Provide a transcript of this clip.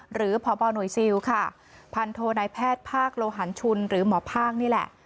หรือพบหน่วยซิลค่ะพันโทนายแพทย์ภาคโลหันชุนหรือหมอภาคนี่แหละ